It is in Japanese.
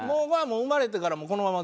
生まれてからこのまま。